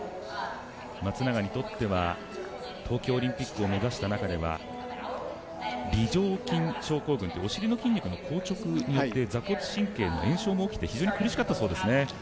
松永にとっては東京オリンピックを目指した中では梨状筋症候群というお尻の筋肉の座骨神経の炎症が起きて非常に苦しかったそうですね。